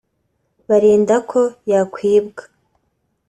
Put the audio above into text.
barinda ko yakwibwa